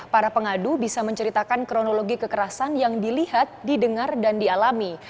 para pengadu bisa menceritakan kronologi kekerasan yang dilihat didengar dan dialami